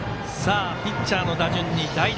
ピッチャーの打順に代打。